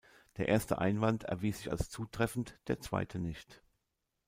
Der erste Einwand erwies sich als zutreffend, der zweite nicht.